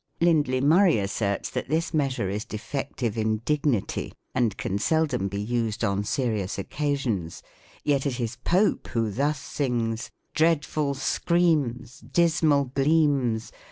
Lindley Murray asserts that this measure is defec Itive in dignity, and can seldom be used on serious oc basions. Yet it is Pope who thus sings : "Dreadful screams. Dismal gleams.